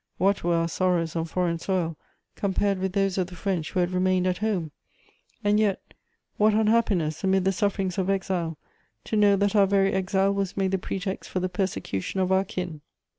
What were our sorrows on foreign soil compared with those of the French who had remained at home? And yet, what unhappiness, amid the sufferings of exile, to know that our very exile was made the pretext for the persecution of our kin.